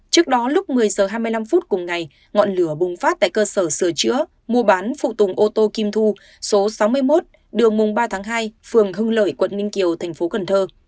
trước đó lúc một mươi h hai mươi năm cùng ngày ngọn lửa bùng phát tại cơ sở sửa chữa mua bán phụ tùng ô tô kim thu số sáu mươi một đường mùng ba tháng hai phường hưng lợi quận ninh kiều tp cn